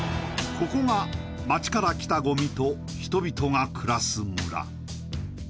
ここが街から来たごみと人々が暮らす村。